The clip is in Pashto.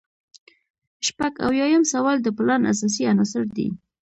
شپږ اویایم سوال د پلان اساسي عناصر دي.